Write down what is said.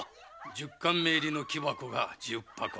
十貫目入りの木箱が十箱。